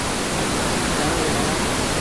কেন রে মামা?